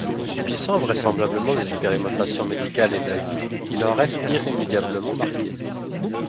Subissant vraisemblablement des expérimentations médicales des Nazis, il en reste irrémédiablement marqué.